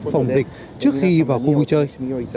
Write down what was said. trong phòng dịch trước khi vào khu vui chơi